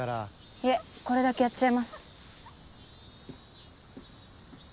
いえこれだけやっちゃいます。